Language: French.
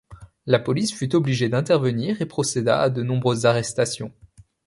La police fut obligée d'intervenir et procéda à de nombreuses arrestations.